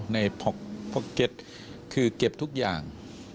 พวกเก็ตคือเก็บทุกอย่าง